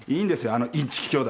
あのインチキ兄弟は。